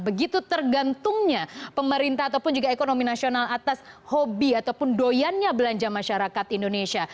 begitu tergantungnya pemerintah ataupun juga ekonomi nasional atas hobi ataupun doyannya belanja masyarakat indonesia